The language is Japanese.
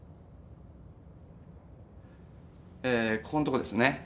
ここの所ですね。